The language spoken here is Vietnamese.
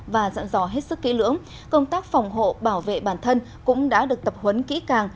và dặn dò hết sức kỹ lưỡng công tác phòng hộ bảo vệ bản thân cũng đã được tập huấn kỹ càng